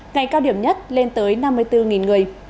ngày cao điểm nhất lên tới năm mươi bốn người